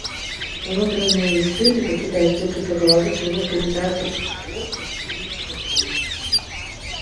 Унутраныя іспыты пакідаюць толькі па беларускай і рускай літаратурах, творчасці і фізкультуры.